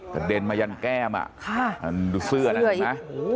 กระเด็นมายันแก้มอ่ะดูเสื้อนั้นนะ